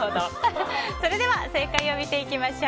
それでは正解を見ていきましょう。